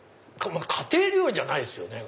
家庭料理じゃないですよね。